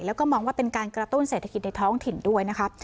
แล้วก็มองว่าเป็นการกระตุ้นเศรษฐกิจในท้องถิ่นด้วยนะครับ